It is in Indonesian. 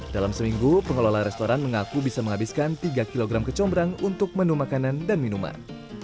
dalam seminggu pengelola restoran mengaku bisa menghabiskan tiga kg kecombrang untuk menu makanan dan minuman